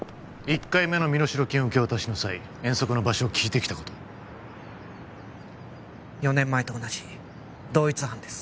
１回目の身代金受け渡しの際遠足の場所を聞いてきたこと４年前と同じ同一犯です